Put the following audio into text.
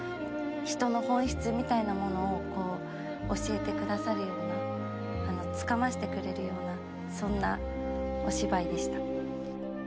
人の本質みたいなものをこう教えてくださるようなつかましてくれるようなそんなお芝居でした。